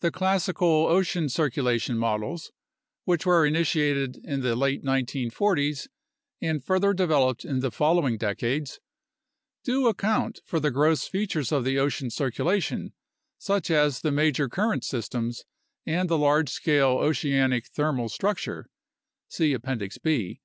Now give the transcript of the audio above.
The classical ocean circulation models, which were initiated in the late 1940's and further developed in the following decades, do account for the gross features of the ocean circulation, such as the major current systems and the large scale oceanic thermal structure (see Appendix B).